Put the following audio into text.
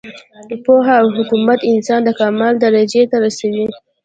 پوهه او حکمت انسان د کمال درجې ته رسوي.